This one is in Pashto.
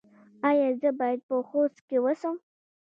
ایا زه باید په خوست کې اوسم؟